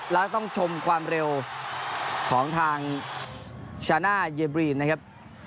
แล้วต้องชมความเร็วของทางชาน่าเยบรีนนะครับ